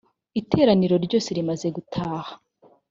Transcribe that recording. iteraniro ryose rimaze gutaha.